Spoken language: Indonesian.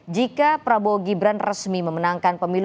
jika prabowo gibran resmi memenangkan pemilu dua ribu dua puluh empat